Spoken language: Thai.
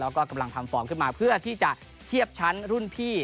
แล้วก็กำลังทำฟอร์มขึ้นมาเพื่อที่จะเทียบชั้นรุ่นพี่